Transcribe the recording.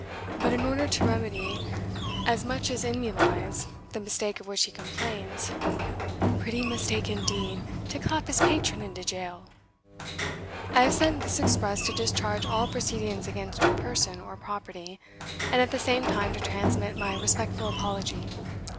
But in order to remedy as much as in me lies the mistake of which he complains [pretty mistake, indeed! to clap his patron into jail], I have sent this express to discharge all proceedings against your person or property; and at the same time to transmit my respectful apology.